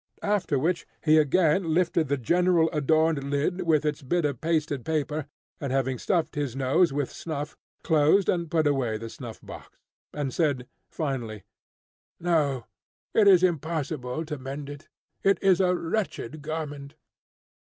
After which he again lifted the general adorned lid with its bit of pasted paper, and having stuffed his nose with snuff, dosed and put away the snuff box, and said finally, "No, it is impossible to mend it. It is a wretched garment!"